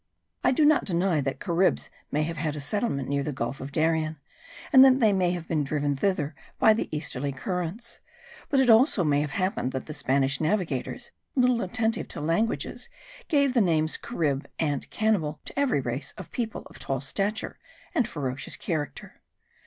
I do not deny that Caribs may have had a settlement near the gulf of Darien, and that they may have been driven thither by the easterly currents; but it also may have happened that the Spanish navigators, little attentive to languages, gave the names Carib and Cannibal to every race of people of tall stature and ferocious character.